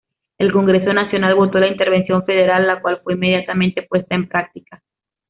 El Congreso Nacional votó la intervención federal, la cual fue inmediatamente puesta en práctica.